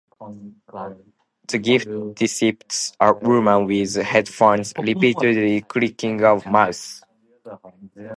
The gif depicts a woman with headphones repeatedly clicking a mouse.